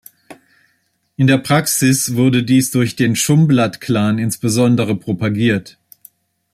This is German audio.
In der Praxis wurde dies durch den Dschumblat-Clan insbesondere propagiert.